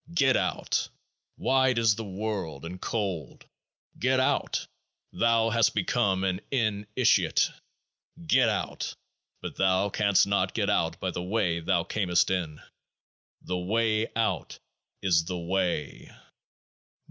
Get out. Wide is the world and cold. Get out. Thou hast become an in itiate. Get out. But thou canst not get out by the way thou earnest in. The Way out is THE WAY.